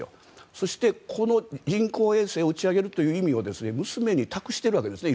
そして、この人工衛星を打ち上げるという意味を娘に託しているわけですね。